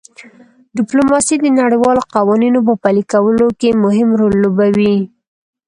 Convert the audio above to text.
ډیپلوماسي د نړیوالو قوانینو په پلي کولو کې مهم رول لوبوي